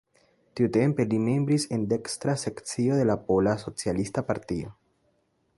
Tiutempe li membris en dekstra sekcio de la pola, socialista partio.